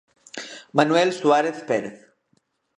Manuel Suárez Pérez.